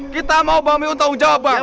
kita mau bang meun tanggung jawab bang